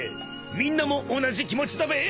みんなも同じ気持ちだべ。